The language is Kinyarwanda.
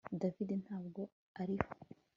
David ntabwo ariho